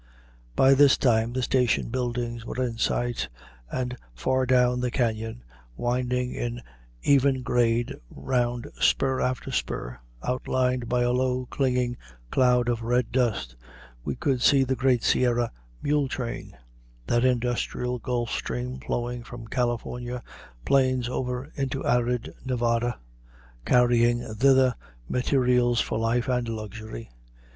By this time the station buildings were in sight, and far down the cañon, winding in even grade round spur after spur, outlined by a low, clinging cloud of red dust, we could see the great Sierra mule train, that industrial gulf stream flowing from California plains over into arid Nevada, carrying thither materials for life and luxury.